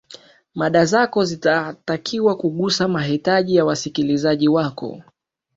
mada zako zinatakiwa kugusa mahitaji ya wasikilizaji wako